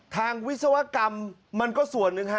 วิศวกรรมมันก็ส่วนหนึ่งฮะ